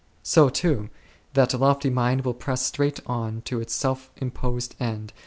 So, too, that lofty mind will press straight on to its self imposed end, 2 1 Pet.